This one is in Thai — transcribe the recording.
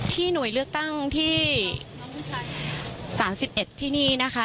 ที่หน่วยเลือกตั้งที่สามสิบเอ็ดที่นี่นะคะ